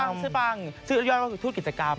ชื่อปังชื่อปังชื่อย่อนว่าทูตกิจกรรม